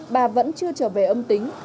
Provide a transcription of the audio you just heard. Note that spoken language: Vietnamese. bà vẫn chưa trở về âm tính